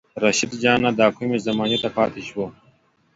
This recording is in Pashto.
رشيد جانه دا کومې زمانې ته پاتې شو